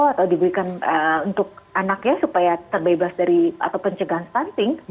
atau diberikan untuk anaknya supaya terbebas dari atau pencegahan stunting